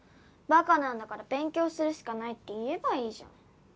バカなんだから勉強するしかないって言えばいいじゃん。